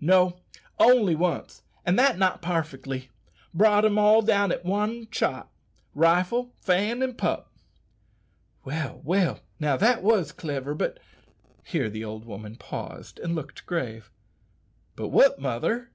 "No, only once, and that not parfetly. Brought 'em all down at one shot rifle, Fan, an' pup!" "Well, well, now that was cliver; but ." Here the old woman paused and looked grave. "But what, mother?"